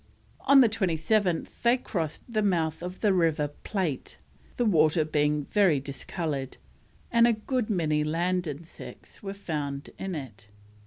On the 27th they crossed the mouth of the River Plate, the water being very discoloured, and a good many land insects were found in it.